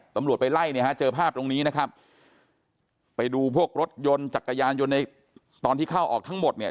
ตำรวจไปไล่เนี่ยฮะเจอภาพตรงนี้นะครับไปดูพวกรถยนต์จักรยานยนต์ในตอนที่เข้าออกทั้งหมดเนี่ย